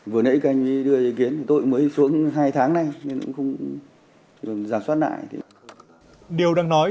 vừa nãy anh ấy đưa ý kiến tôi mới xuống hai tháng nay nên cũng không giả soát lại